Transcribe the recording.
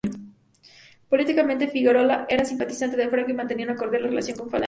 Políticamente, Figuerola era simpatizante de Franco y mantenía una cordial relación con la Falange.